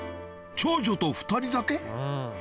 長女と２人だけ？